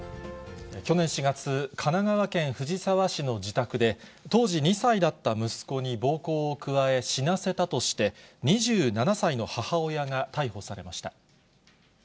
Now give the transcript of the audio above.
去年４月、神奈川県藤沢市の自宅で、当時２歳だった息子に暴行を加え、死なせたとして、２７歳の母親が逮捕されました。